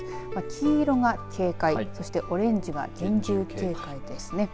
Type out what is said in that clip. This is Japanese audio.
黄色が警戒そしてオレンジが厳重警戒ですね。